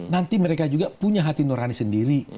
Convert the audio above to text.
nanti mereka juga punya hati nurani sendiri